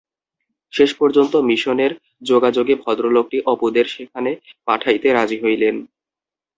শেষ পর্যন্ত মিশনের যোগাযোগে ভদ্রলোকটি অপূদের সেখানে পাঠাইতে রাজি হইলেন।